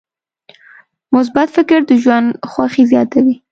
مثبت فکر د ژوند خوښي زیاتوي.